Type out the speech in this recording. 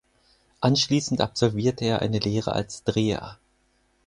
Anschließend absolvierte er eine Lehre als Dreher.